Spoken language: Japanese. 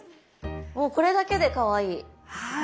もうこれだけでかわいい。